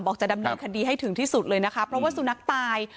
บอกจัดงานคัดดีให้ถึงที่สุดเลยนะครับเพราะว่าซูนัขตาย